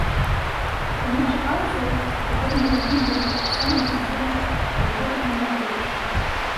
Раней чакалася, што падобны дакумент будзе падпісаны да канца лістапада, але гэтага не адбылося.